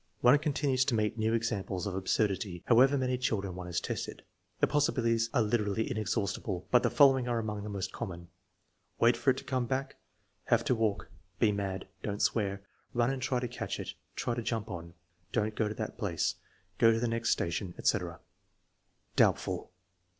One continues to meet new examples of absurdity, however many children one has tested. The possibilities are literally inexhaustible, but the following are among the most common: "Wait for it to come back," "Have to walk," "Be mad," "Don't swear," "Run and try to catch it," "Try to jump on," "Don't go to that place," "Go to the next sta tion,* 5 etc. Doubtful.